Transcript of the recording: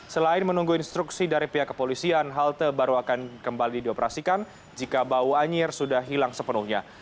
selain menunggu instruksi dari pihak kepolisian halte baru akan kembali dioperasikan jika bau anjir sudah hilang sepenuhnya